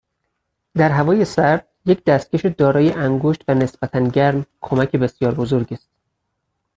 در هوای سرد یک دستکش دارای انگشت و نسبتا گرم، کمک بسیار بزرگی است.